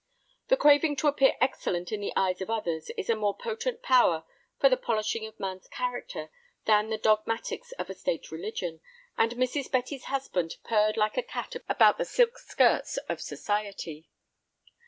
The craving to appear excellent in the eyes of others is a more potent power for the polishing of man's character than the dogmatics of a state religion, and Mrs. Betty's husband purred like a cat about the silk skirts of society.